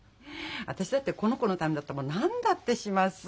私だってこの子のためだったらもう何だってします。